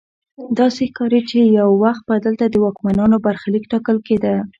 داسې ښکاري چې یو وخت به دلته د واکمنانو برخلیک ټاکل کیده.